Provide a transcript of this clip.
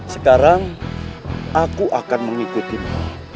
sekarang aku akan mengikutimu